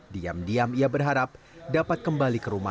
diam diam ia berharap dapat kembali ke rumah